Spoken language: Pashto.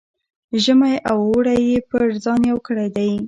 ژمی او اوړی یې پر ځان یو کړی دی.